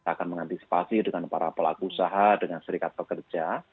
akan mengantisipasi dengan para pelaku usaha dengan serikat pekerja